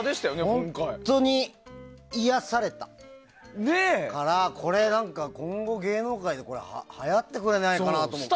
本当に癒やされたから今後、芸能界ではやってくれないかなと思って。